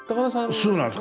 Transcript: そうなんです。